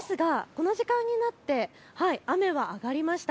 この時間になって雨は上がりました。